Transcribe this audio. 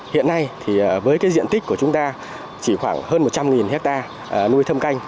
hiện nay thì với cái diện tích của chúng ta chỉ khoảng hơn một trăm linh ha nuôi thơm